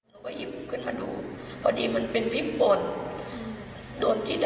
โดยเหล็กคนแบบนี้